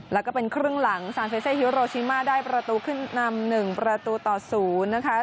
แล้วก็เป็นครึ่งหลังซานเฟเซฮิโรชิมาได้ประตูขึ้นนำ๑ประตูต่อ๐นะคะ